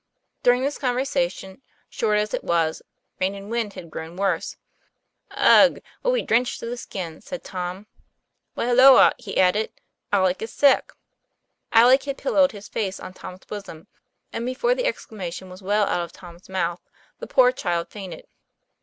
During this conversation, short as it was, rain and wind had grown worse. 'Ugh! we'll be drenched to the skin, "said Tom. "Why, halloa!" he added, "Alec is sick." Alec had pillowed his face on Tom's bosom, and before the exclamation was well out of Tom's mouth, the poor child fainted.